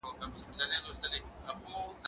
کېدای سي ځواب لنډ وي؟